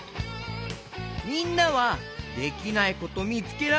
みんなはできないことみつけられたかな？